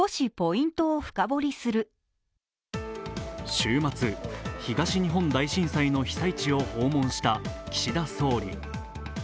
週末、東日本大震災の被災地を訪問した岸田総理。